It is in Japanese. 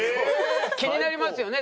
気になりますよね